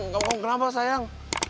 kamu kenapa sayang